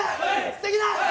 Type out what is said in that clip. すてきな。